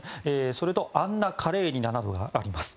それと「アンナ・カレーニナ」などがあります。